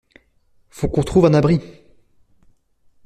Faut qu’on trouve un abri!